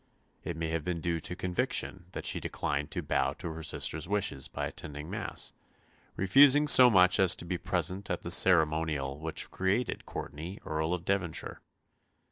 It may have been due to conviction that she declined to bow to her sister's wishes by attending Mass, refusing so much as to be present at the ceremonial which created Courtenay Earl of Devonshire.